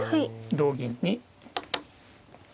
同銀に。